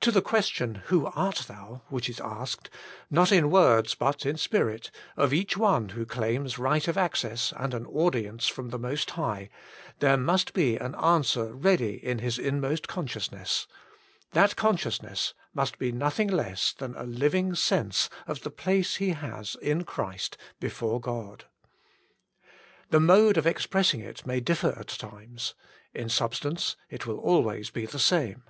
To the question " Who art thou? '' which is asked, not in words but in spirit, of each one who claims right of access and an audience from the Most High, there must be an answer ready in his inmost consciousness; that consciousness must be nothing less than a living sense of the place he has in Christ before God. The mode of expressing it may differ at different times, in substance it will always be the same.